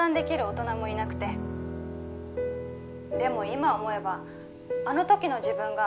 今思えばあの時の自分が